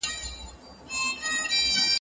شهیدعبداللطیف اشنا